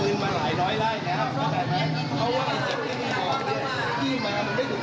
คือต้องอย่าเอาบอกว่าใครมีสิบกว่ากัน